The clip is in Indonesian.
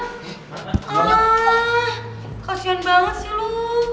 gak ada yang ngedefon banget sih lo